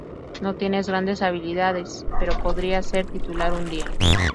No tiene grandes habilidades, pero podría ser titular un día".